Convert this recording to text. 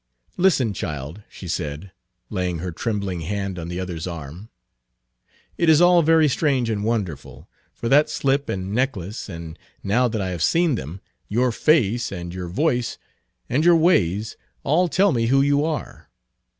"Listen, child," she said, laying her trembling hand on the other's arm. "It is all very strange and wonderful, for that slip and necklace, and, now that I have seen them, your face and your voice and your ways, all tell me who you are.